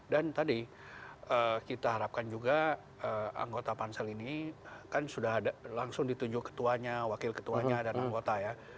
dan tadi kita harapkan juga anggota pansel ini kan sudah langsung dituju ketuanya wakil ketuanya dan anggota ya